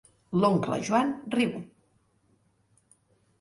L'oncle Joan riu.